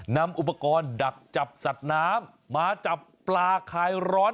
นำอุปกรณ์ดักจับสัตว์น้ำมาจับปลาคลายร้อน